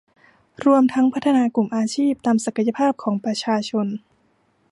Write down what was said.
รวมทั้งพัฒนากลุ่มอาชีพตามศักยภาพของประชาชน